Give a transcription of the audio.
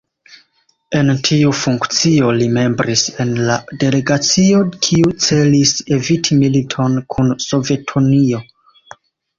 En tiu funkcio li membris en la delegacio kiu celis eviti militon kun Sovetunio.